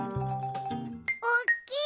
おっきい。